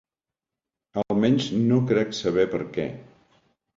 Almenys no crec saber per què.